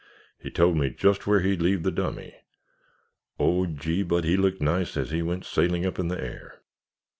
He told me just where he'd leave the dummy. Oh, gee, but he looked nice as he went sailing up in the air!